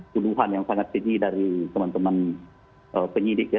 tuduhan yang sangat sedih dari teman teman penyidik ya